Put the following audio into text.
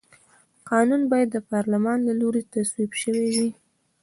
قانون باید د پارلمان له لوري تصویب شوی وي.